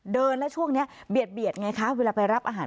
เดินแล้วช่วงนี้เบียดไงคะเวลาไปรับอาหาร